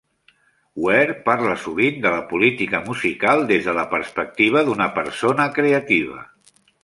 Ware parla sovint de la política musical des de la perspectiva d'una persona creativa.